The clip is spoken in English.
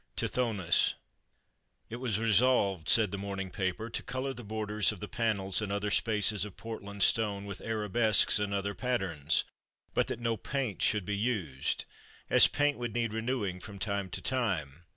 TITHONUS "It was resolved," said the morning paper, "to colour the borders of the panels and other spaces of Portland stone with arabesques and other patterns, but that no paint should be used, as paint would need renewing from time to time.